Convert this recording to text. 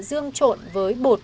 dương trộn với bột